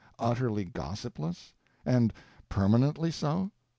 utterly gossipless? And permanently so?